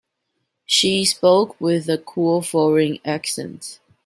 She spoke with a cool foreign accent.